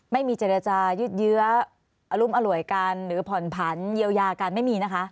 ไม่มีเจรจายืดเยื้ออรุมอร่วยกันหรือผ่อนผันเยียวยากันไม่มีนะคะ